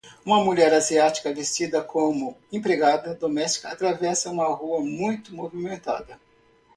Uma mulher asiática vestida como empregada doméstica atravessa uma rua muito movimentada.